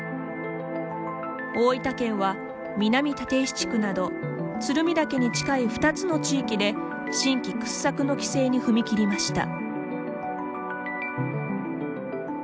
大分県は、南立石地区など鶴見岳に近い２つの地域で新規掘削の規制に踏み切りました。